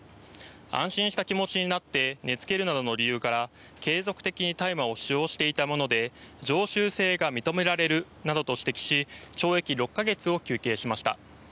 安心した気持ちになって寝付けるなどの理由から継続的に大麻を使用していたもので常習性が認められるなどと指摘し懲役６か月を求刑しました。